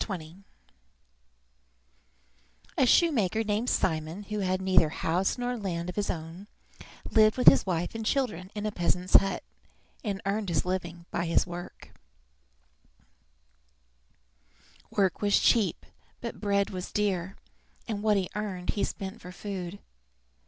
WHAT MEN LIVE BY A shoemaker named Simon, who had neither house nor land of his own, lived with his wife and children in a peasant's hut, and earned his living by his work. Work was cheap, but bread was dear, and what he earned he spent for food.